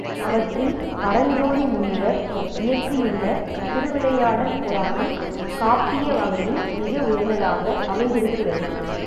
அவற்றில் பரஞ்சோதி முனிவர் இயற்றியுள்ள திருவிளையாடற் புராணம் காப்பிய வகையில் மிக உயர்ந்ததாக அமைந்திருக்கிறது.